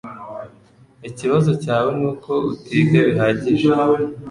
Ikibazo cyawe nuko utiga bihagije.